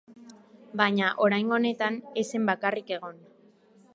Baina, oraingo honetan, ez zen bakarrik egon.